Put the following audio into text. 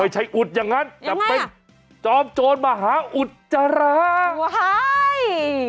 ไปใช้อุดอย่างงั้นยังไงอ่ะจอบโจรมหาอุดจาร้าว้าย